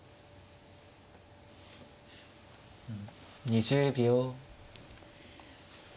２０秒。